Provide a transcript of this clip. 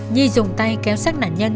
nhi dùng tay kéo sát nạn nhân